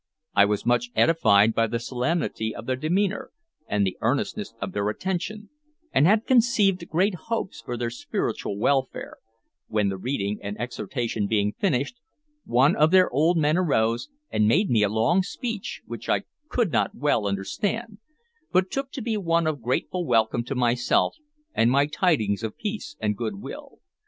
I was much edified by the solemnity of their demeanor and the earnestness of their attention, and had conceived great hopes for their spiritual welfare, when, the reading and exhortation being finished, one of their old men arose and made me a long speech, which I could not well understand, but took to be one of grateful welcome to myself and my tidings of peace and good will.